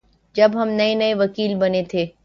جب ہم نئے نئے وکیل بنے تھے